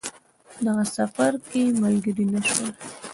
دغه سفر کې ملګري نه شول.